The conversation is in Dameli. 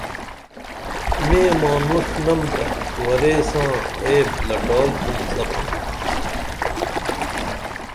میں مانوݜنم تہ ورے ساں عیب لٹکال تُھن سپُن